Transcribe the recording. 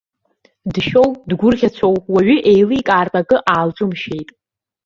Дшәоу, дгәырӷьацәоу, уаҩы еиликаартә акы аалҿымшәеит.